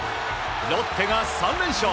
ロッテが３連勝。